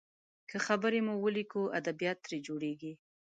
که خبرې مو وليکو، ادبيات ترې جوړیږي.